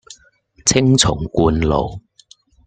青松觀路